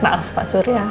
maaf pak surya